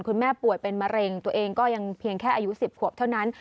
ป่วยเป็นมะเร็งตัวเองก็ยังเพียงแค่อายุ๑๐ขวบเท่านั้น